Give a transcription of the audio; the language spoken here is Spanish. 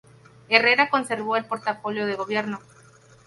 Herrera conservó el portafolio de Gobierno.